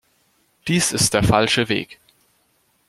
Dies ist der falsche Weg.